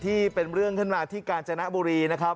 ที่เป็นเรื่องขึ้นมาที่กาญจนบุรีนะครับ